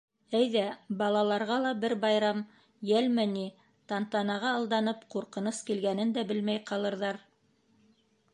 Әйҙә, балаларға ла бер байрам йәлме ни, тантанаға алданып ҡурҡыныс килгәнен дә белмәй ҡалырҙар.